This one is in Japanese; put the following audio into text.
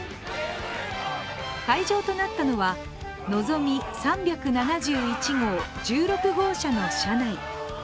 会場となったのはのぞみ３７１号１６号車の車内。